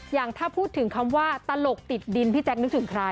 อย่างถ้าพูดถึงคำว่าตลกติดดินพี่แจ๊คนึกถึงใคร